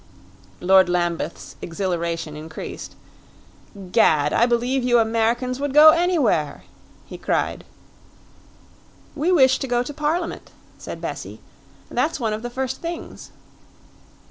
Lord Lambeth's exhilaration increased. "Gad, I believe you Americans would go anywhere!" he cried. "We wish to go to Parliament," said Bessie. "That's one of the first things."